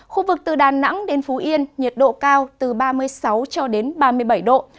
khu vực từ đà nẵng đến phú yên nhiệt độ cao từ ba mươi sáu cho đến ba mươi bảy độ